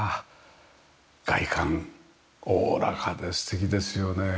外観おおらかで素敵ですよね。